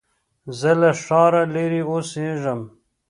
زه له ښاره لرې اوسېږم